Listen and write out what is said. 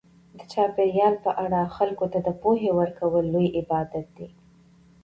د چاپیریال په اړه خلکو ته د پوهې ورکول لوی عبادت دی.